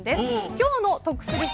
今日の得する人